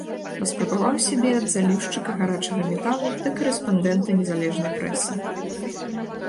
Паспрабаваў сябе ад заліўшчыка гарачага металу да карэспандэнта незалежнай прэсы.